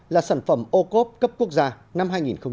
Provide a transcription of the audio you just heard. là sản phẩm ô cốp cấp quốc gia năm hai nghìn hai mươi